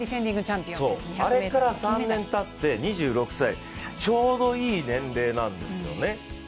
あれから３年たって２６歳、ちょうどいい年齢なんですよね。